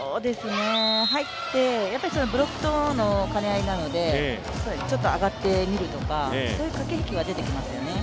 入って、やっぱりブロックとの兼ね合いなので、ちょっと上がってみるとか、そういう駆け引きは出てきますよね。